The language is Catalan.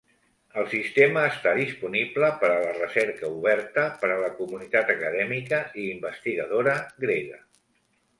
El sistema està disponible per a la recerca oberta per a la comunitat acadèmica i investigadora grega.